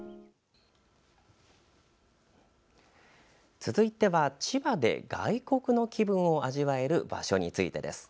続いては千葉で外国の気分を味わえる場所についてです。